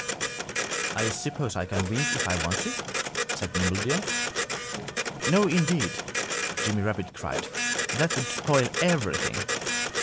"I suppose I can wink if I want to," said Nimble Deer. "No, indeed!" Jimmy Rabbit cried. "That would spoil everything."